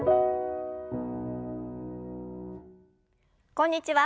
こんにちは。